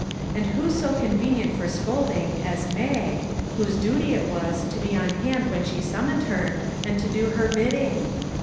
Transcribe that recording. And who so convenient for scolding as Mag, whose duty it was, to be on hand when she summoned her, and to do her bidding